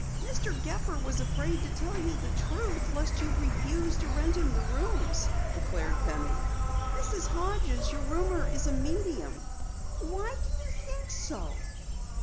"Mr. Gepper was afraid to tell you the truth lest you refuse to rent the rooms," declared Penny. "Mrs. Hodges, your roomer is a medium." "Why do you think so?"